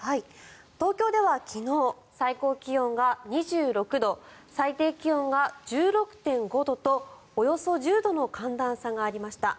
東京では昨日最高気温が２６度最低気温が１６．５度とおよそ１０度の寒暖差がありました。